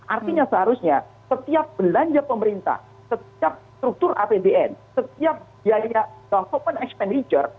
artinya seharusnya setiap belanja pemerintah setiap struktur apbn setiap biaya open expenditure